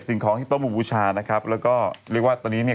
สิ่งของต่อมาบุกระทับนะครับแล้วก็เรียกว่าอันนี้